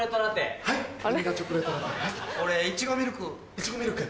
いちごミルク。